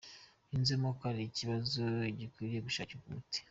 Yunzemo ko ari ikibazo gikwiriye gushakirwa umuti.